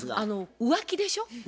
浮気でしょ？